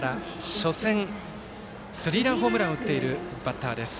初戦、スリーランホームランを打っているバッターです。